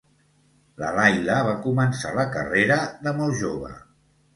La Laila va començar la carrera de molt jove.